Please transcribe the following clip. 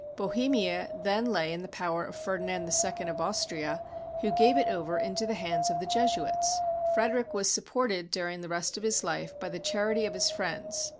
Bo hemia then lay in the power of Ferdinand II of Austria, who gave it over into the hands of the Jesuits. Frederick was sup ported during the rest of his life by the charity of his friends.